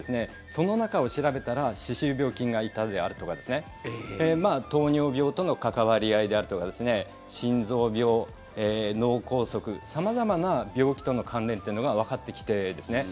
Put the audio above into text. その中を調べたら歯周病菌がいたであるとか糖尿病との関わり合いだとか心臓病、脳梗塞様々な病気との関連というのがわかってきてですね